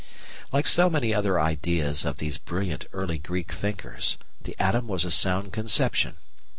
Like so many other ideas of these brilliant early Greek thinkers, the atom was a sound conception.